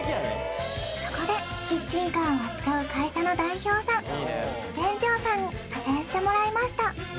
そこでキッチンカーを扱う会社の代表さん店長さんに査定してもらいました